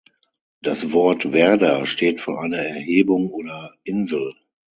Das Wort "Werder" steht für eine Erhebung oder Insel.